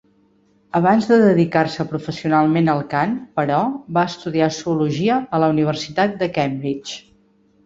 Abans de dedicar-se professionalment al cant, però, va estudiar zoologia a la Universitat de Cambridge.